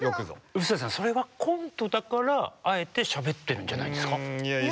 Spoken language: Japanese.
臼田さんそれはコントだからあえてしゃべってるんじゃないですか？